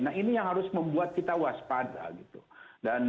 nah ini yang harus membuat kita waspada gitu